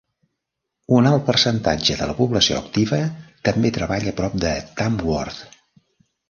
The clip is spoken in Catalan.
Un alt percentatge de la població activa també treballa prop de Tamworth.